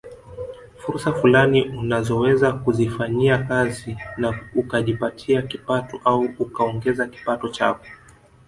Fursa fulani unazoweza kuzifanyia kazi na ukajipatia kipato au ukaongeza kipato chako